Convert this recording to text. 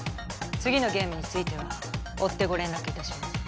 次のゲームについては追ってご連絡いたします。